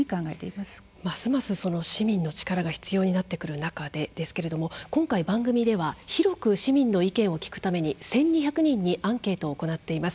ますます市民の力が必要になってくる中ですけど今回、番組では広く市民の意見を聞くために１２００人にアンケートを行っています。